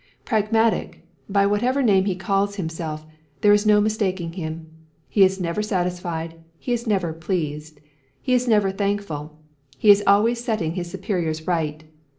Pragmatic, by whatever name he calls himself, there is no mistaking him. He is never satisfied. He is never pleased. He is never thankful. He is always setting his superiors right.